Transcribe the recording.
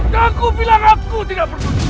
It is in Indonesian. dan aku bilang aku tidak perlu